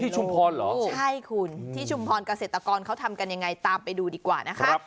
ชุมพรเหรอใช่คุณที่ชุมพรเกษตรกรเขาทำกันยังไงตามไปดูดีกว่านะคะ